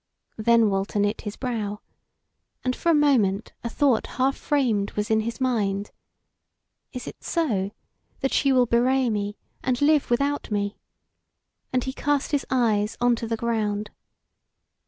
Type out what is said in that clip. Then Walter knit his brow, and for a moment a thought half framed was in his mind: Is it so, that she will bewray me and live without me? and he cast his eyes on to the ground.